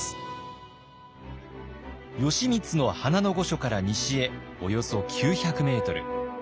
義満の花の御所から西へおよそ９００メートル。